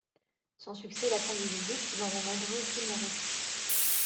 Son succès la conduisit vite dans de nombreux films érotiques.